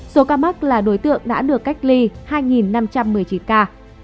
số ca mắc là đối tượng đã được cách ly hai năm trăm một mươi chín ca